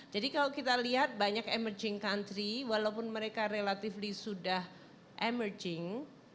jadi kalau kita lihat banyak emerging country walaupun mereka relatively sudah emerging